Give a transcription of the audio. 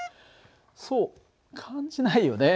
そう感じないよね。